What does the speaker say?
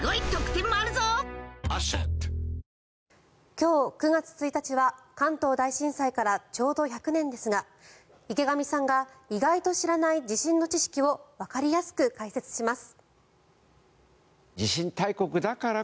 今日９月１日は関東大震災からちょうど１００年ですが池上さんが意外と知らない地震の知識をわかりやすく解説します。